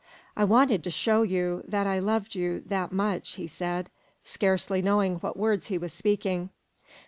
"I wanted to show you that I loved you 'that much," he said, scarcely knowing what words he was speaking.